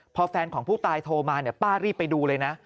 พอแฟนของผู้ตายโทรมาเนี่ยป้ารีบไปดูเลยนะ